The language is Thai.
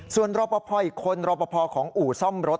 ส่วนรอบพอพออีกคนรอบพอพอของอู่ซ่อมรถ